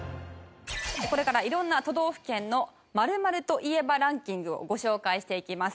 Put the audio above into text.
これから色んな都道府県の「○○と言えばランキング」をご紹介していきます。